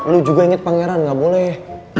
lo juga inget pangeran ga boleh